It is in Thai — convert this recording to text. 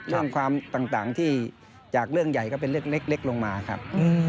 เรื่องความต่างที่จากเรื่องใหญ่ก็เป็นเล็กลงมาครับ